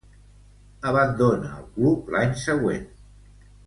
Abandona el club l'any següent.